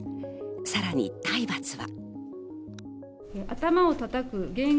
さらに体罰は。